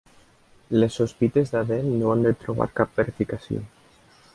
Les sospites d'Adele no han de trobar cap verificació.